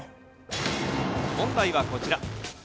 問題はこちら。